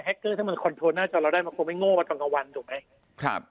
แฮคเกอร์ถ้ามันคอนโทรลหน้าจอเราได้มันคงไม่โง่ต่างกับวันถูกไหม